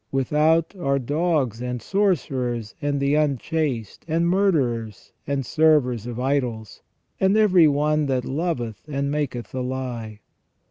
Without are dogs, and sorcerers, and the unchaste, and murderers, and servers of idols, and every one that loveth and maketh a lie.